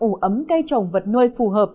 ủ ấm cây trồng vật nuôi phù hợp